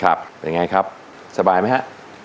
เป็นไงครับสบายไหมฮะ